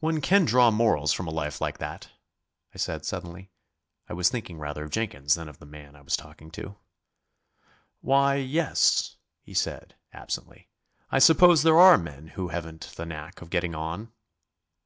"One can draw morals from a life like that," I said suddenly. I was thinking rather of Jenkins than of the man I was talking to. "Why, yes," he said, absently, "I suppose there are men who haven't the knack of getting on."